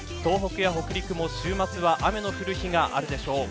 東北や北陸も、週末は雨の降る日があるでしょう。